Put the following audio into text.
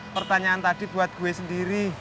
pertanyaan tadi buat gue sendiri